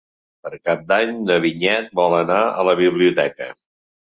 Per Cap d'Any na Vinyet vol anar a la biblioteca.